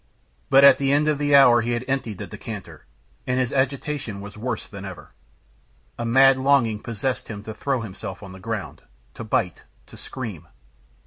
But at the end of an hour he had emptied the decanter, and his agitation was worse than ever. A mad longing possessed him to throw himself on the ground, to bite, to scream.